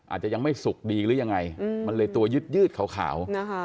อาจจะยังไม่สุกดีหรือยังไงมันเลยตัวยืดขาว